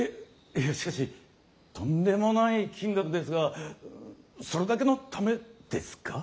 いやしかしとんでもない金額ですがそれだけのためですか？